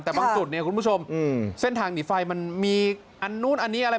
แต่บางจุดเนี่ยคุณผู้ชมเส้นทางหนีไฟมันมีอันนู้นอันนี้อะไร